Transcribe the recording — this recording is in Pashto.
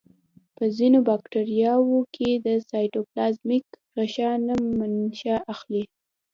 په ځینو باکتریاوو کې د سایتوپلازمیک غشا نه منشأ اخلي.